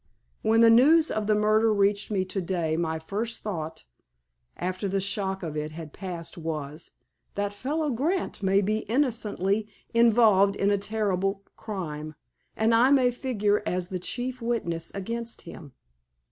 When the news of the murder reached me to day my first thought, after the shock of it had passed, was:—'That fellow, Grant, may be innocently involved in a terrible crime, and I may figure as the chief witness against him.